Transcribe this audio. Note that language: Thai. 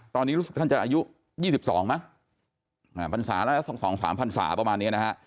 ตอนนี้รู้สึกท่านจะอายุ๒๒ประมาณนี้